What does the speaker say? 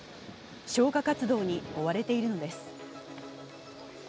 消火活動に追われているのです。